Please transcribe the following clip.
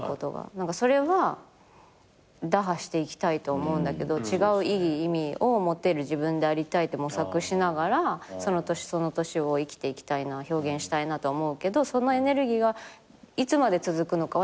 それは打破していきたいけど違ういい意味を持てる自分でありたいって模索しながらその年その年を生きていきたいな表現したいなとは思うけどそのエネルギーがいつまで続くのかは正直分からない。